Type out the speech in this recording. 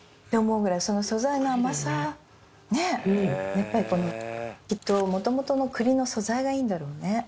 やっぱりこのきっと元々の栗の素材がいいんだろうね。